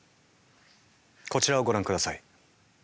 こちらをご覧ください。